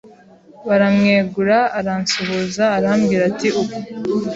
Baramwegura aransuhuza arambwira ati uko